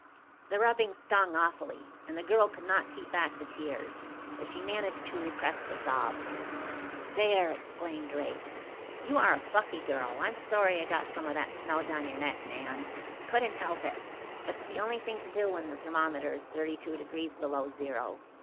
"The rubbing stung awfully, and the girl could not keep back the tears; but she managed to repress the sobs. "There!" exclaimed Rafe. "You are a plucky girl. I'm sorry I got some of that snow down your neck, Nan. Couldn't help it. But it's the only thing to do when the thermometer is thirty two degrees below zero.